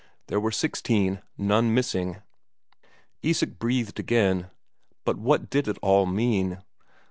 There were sixteen. None missing. Isak breathed again. But what did it all mean?